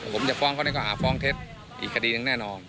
ผมจะฟ้องเขาในข้อหาฟ้องเท็จอีกคดีหนึ่งแน่นอน